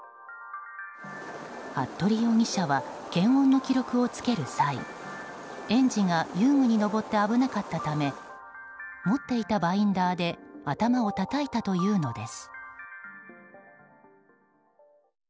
服部容疑者は検温の記録をつける際園児が遊具に上って危なかったため持っていたバインダーで頭をたたいたというのです。